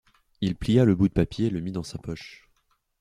Il plia le bout de papier et le mit dans sa poche.